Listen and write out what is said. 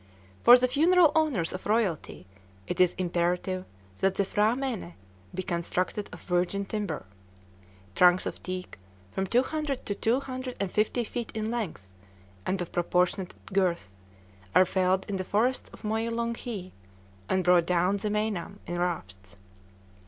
For the funeral honors of royalty it is imperative that the P'hra mène be constructed of virgin timber. Trunks of teak, from two hundred to two hundred and fifty feet in length, and of proportionate girth, are felled in the forests of Myolonghee, and brought down the Meinam in rafts.